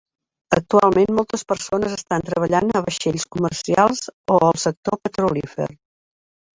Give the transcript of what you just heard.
Actualment moltes persones estan treballant a vaixells comercials o el sector petrolífer.